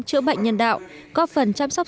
chữa bệnh nhân đạo góp phần chăm sóc